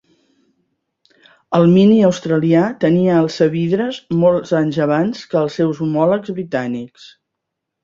El Mini australià tenia alçavidres molts anys abans que els seus homòlegs britànics.